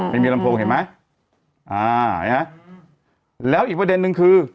ลำโพงเห็นไหมอ่าเห็นไหมแล้วอีกประเด็นนึงคือ